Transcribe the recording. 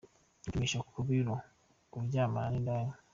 Gupimisha ku biro : kuryamana n’indaya.